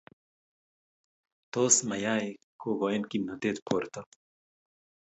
Tos mayaik kogani gomnatet borto?